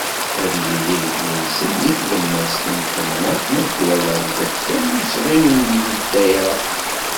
Ad d-yili lebni-nsen deg tlemmast n temnaḍt n At Ddwala, sdat kan n usɣim n ladayṛa.